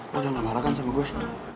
lu jangan marah kan sama gue